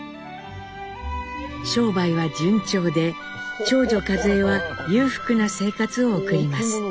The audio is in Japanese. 商売は順調で長女和江は裕福な生活を送ります。